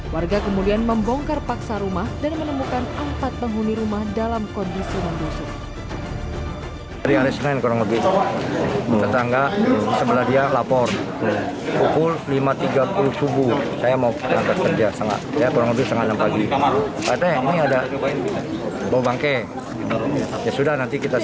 warga kemudian membongkar paksa rumah dan menemukan empat penghuni rumah dalam kondisi mendosuk